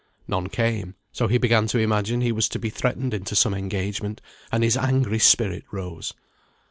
None came; so he began to imagine he was to be threatened into some engagement, and his angry spirit rose.